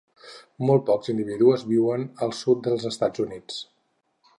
Molt pocs individus viuen al sud dels Estats Units.